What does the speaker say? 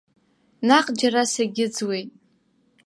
Наҟ џьара сагьыӡуеит.